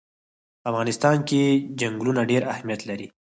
په افغانستان کې چنګلونه ډېر اهمیت لري.